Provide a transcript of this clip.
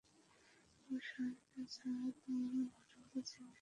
ওর সাহায্য ছাড়া তোমার মডেলকে চিহ্নিত করা দুঃস্বাধ্য ছিল।